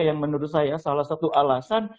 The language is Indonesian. yang menurut saya salah satu alasan